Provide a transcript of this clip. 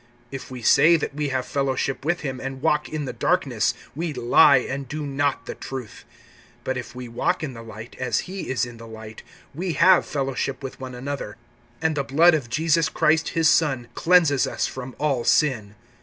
(6)If we say that we have fellowship with him, and walk in the darkness, we lie, and do not the truth; (7)but if we walk in the light, as he is in the light, we have fellowship with one another, and the blood of Jesus Christ[1:7] his Son cleanses us from all sin.